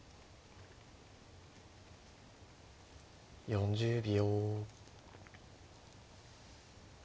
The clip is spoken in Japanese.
４０秒。